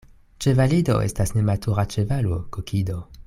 Ĉevalido estas nematura ĉevalo, kokido